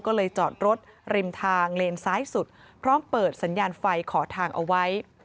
ก็เลยจอดรถริมทางเลนซ้ายสุดพร้อมเปิดสัญญาณไฟขอทางเอาไว้